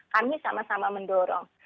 kami sama sama mendorong